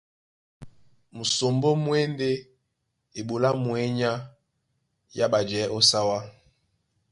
Musombó mú e ndé eɓoló á mwěnyá yá ɓajɛɛ̌ ó sáwá.